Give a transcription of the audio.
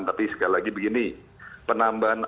tapi sekali lagi begini penambahan